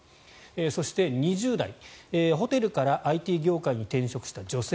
そして、２０代ホテルからＩＴ業界に転職した女性。